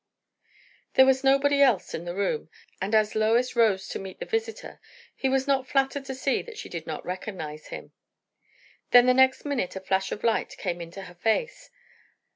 There was nobody else in the room; and as Lois rose to meet the visitor, he was not flattered to see that she did not recognize him. Then the next minute a flash of light came into her face.